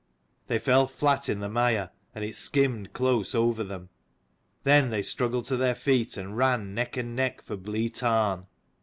They fell flat in the mire, and it skimmed close over them. Then they struggled to their feet and ran neck and neck for Blea tarn.